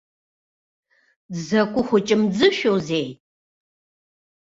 Дзакәы хәыҷымӡышәоузеи!